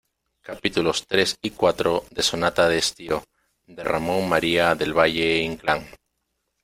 capítulos tres y cuatro de Sonata de estío, de Ramón María del Valle-Inclán.